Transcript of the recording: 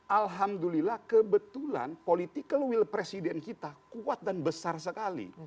alhamdulillah kebetulan political will presiden kita kuat dan besar sekali